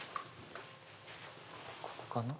ここかな。